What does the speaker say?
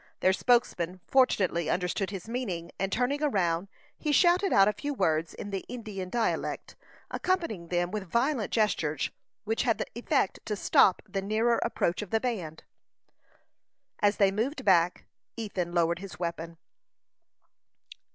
Their spokesman fortunately understood his meaning, and turning round, he shouted out a few words in the Indian dialect, accompanying them with violent gestures, which had the effect to stop the nearer approach of the band. As they moved back, Ethan lowered his weapon.